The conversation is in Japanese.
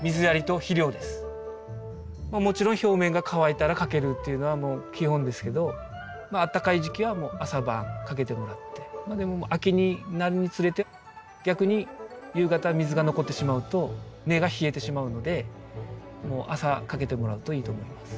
もちろん表面が乾いたらかけるっていうのは基本ですけどあったかい時期は朝晩かけてもらってでも秋になるにつれて逆に夕方水が残ってしまうと根が冷えてしまうのでもう朝かけてもらうといいと思います。